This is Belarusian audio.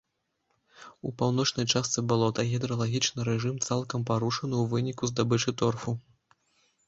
У паўночнай частцы балота гідралагічны рэжым цалкам парушаны ў выніку здабычы торфу.